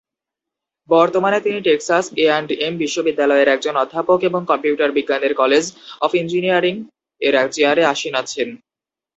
বর্তমানে তিনি Texas A and M বিশ্ববিদ্যালয়ের একজন অধ্যাপক এবং কম্পিউটার বিজ্ঞানের কলেজ অফ ইঞ্জিনিয়ারিং-এর চেয়ারে আসীন আছেন।